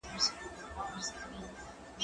مړۍ د مور له خوا پخيږي!.